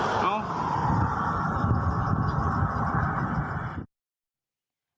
เป็นอะไรอ่ะ